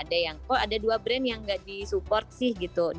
ada yang kok ada dua brand yang gak di support sih gitu